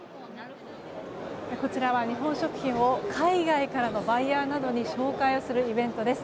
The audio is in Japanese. こちらは日本食品を海外からのバイヤーなどに紹介するイベントです。